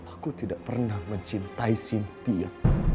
aku tidak pernah mencintai sintia